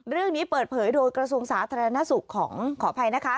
เรื่องนี้เปิดเผยโดยกระทรวงสาธารณสุขของขออภัยนะคะ